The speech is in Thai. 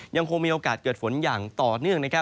ยังคงมีโอกาสเกิดฝนอย่างต่อเนื่อง